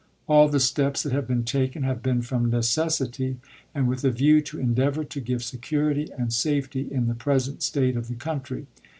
" All the steps that have been taken have been from necessity, and with a view to en deavor to give security and safety in the present state of the country.